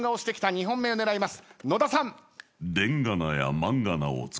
２本目を狙います。